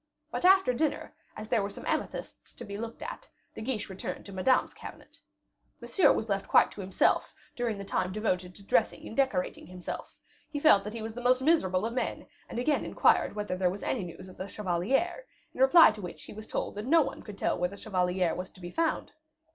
But after dinner, as there were some amethysts to be looked at, De Guiche returned to Madame's cabinet. Monsieur was left quite to himself during the time devoted to dressing and decorating himself; he felt that he was the most miserable of men, and again inquired whether there was any news of the chevalier, in reply to which he was told that no one could tell where the chevalier was to be found.